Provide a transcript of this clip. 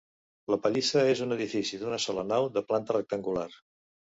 La pallissa és un edifici d'una sola nau de planta rectangular.